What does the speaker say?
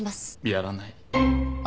やらない。